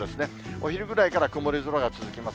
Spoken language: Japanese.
お昼ぐらいから曇り空が続きます。